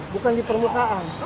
bukan di permukaan